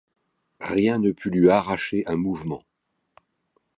Rien ne put lui arracher un mouvement.